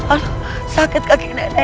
aduh sakit kaki nenek